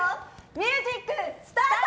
ミュージック、スタート！